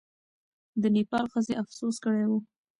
د نېپال ښځې افسوس کړی وو.